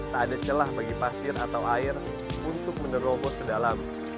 tak ada celah bagi pasir atau air untuk menerobot ke dalam